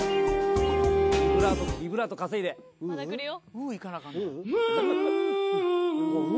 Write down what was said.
ビブラート稼いでまだくるよ